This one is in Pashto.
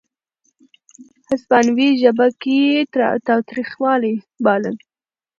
هسپانوي ژبه کې یې تاوتریخوالی باله.